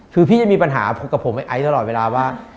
คือพี่จะมีปัญหากับผมไอ้ตลอดเวลาว่า